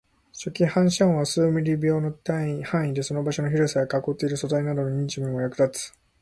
初期反射音は数ミリ秒の範囲で、その場所の広さや囲っている素材などの認知にも役立つ